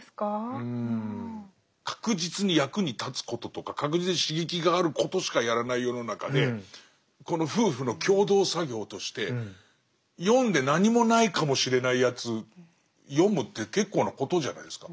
確実に役に立つこととか確実に刺激があることしかやらない世の中でこの夫婦の共同作業として読んで何もないかもしれないやつ読むって結構なことじゃないですか。